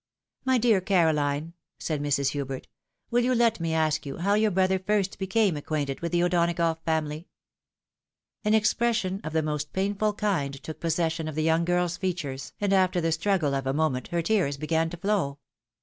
"My dear Carohne," said Mrs. Hubert, "will you let me ask you how your brother first became acquainted with the O'Donagough family ?" An expression of the most painful kind took possession of the young girl's features, and after the struggle of a moment, her tears began to flow.